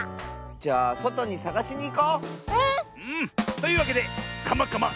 じゃあそとにさがしにいこう！ね！というわけで「カマカマ！